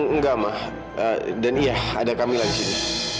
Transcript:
enggak ma dan iya ada kamila di sini